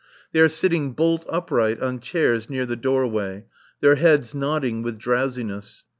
They are sitting bolt upright on chairs near the doorway, their heads nodding with drowsiness.